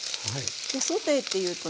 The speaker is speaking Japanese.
でソテーっていうとね